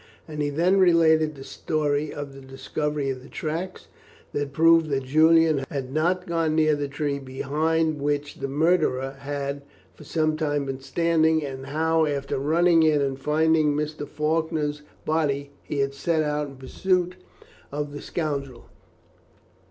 And he then related the story of the discovery of the tracks, that proved that Julian had not gone near the tree behind which the murderer had for some time been standing, and how, after running in and finding Mr. Faulkner's body, he had set out in pursuit of the scoundrel.